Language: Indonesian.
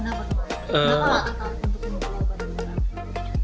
kenapa waktu tahan untuk prelove